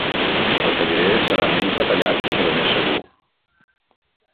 El que diré serà menys detallat, però més segur.